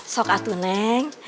sok atu neng